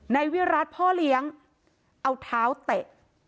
นายวิรัติพ่อเลี้ยงเอาเท้าเตะ